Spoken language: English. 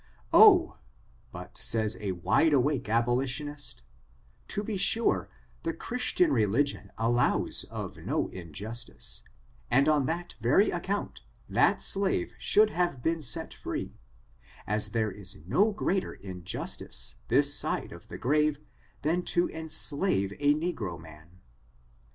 Oh, but, says a wide awake abolitionist, to be sure the Christian religion allows of no injustice, and on that very account that ^lave should have been set free, as there is no greater injustice this side of the grave than to enslave a negro man.